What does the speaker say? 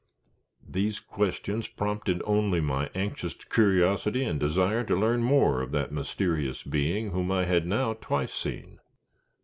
These questions, prompted only my anxious curiosity and desire to learn more of that mysterious being whom I had now twice seen.